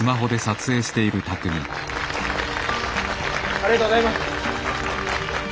ありがとうございます。